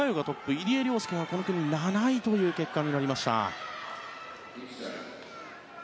入江陵介はこの組７位という結果になりました。